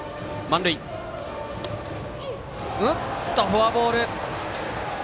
フォアボール。